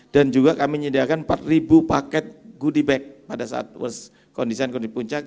dan juga kami menyediakan empat ribu paket goodie bag pada saat kondisi puncak